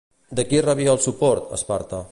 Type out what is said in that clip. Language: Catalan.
De qui rebia el suport, Esparta?